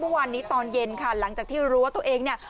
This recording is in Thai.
เมื่อวานนี้ตอนเย็นค่ะหลังจากที่รู้ว่าตัวเองเนี่ย